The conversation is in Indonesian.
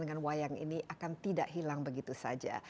dengan wayang ini akan tidak hilang begitu saja